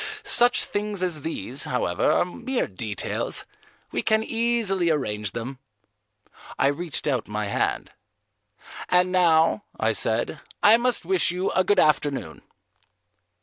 Such things as these, however, are mere details; we can easily arrange them." I reached out my hand. "And now," I said, "I must wish you a good afternoon."